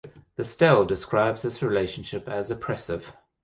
The stele describes this relationship as oppressive.